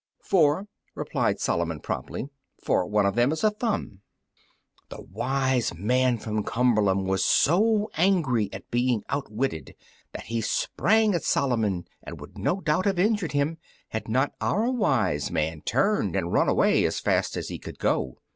"Four," replied Solomon, promptly, "for one of them is a thumb!" The wise man from Cumberland was so angry at being outwitted that he sprang at Solomon and would no doubt have injured him had not our wise man turned and run away as fast as he could go.